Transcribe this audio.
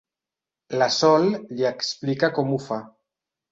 La Sol li explica com ho fa.